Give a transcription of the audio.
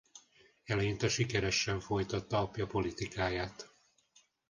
Eleinte sikeresen folytatta apja politikáját.